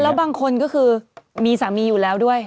แล้วบางคนก็คือมีสามีอยู่แล้วด้วย